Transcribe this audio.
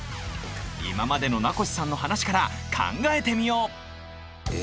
今までの名越さんの話から考えてみようえ！